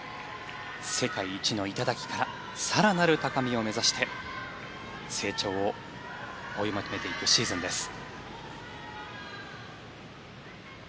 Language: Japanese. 世界一の頂から更なる高みを目指して成長を追い求めていくシーズンです。